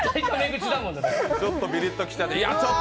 ちょっとビリッときちゃった。